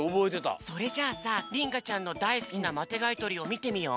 それじゃあさりんかちゃんのだいすきなマテがいとりをみてみよう。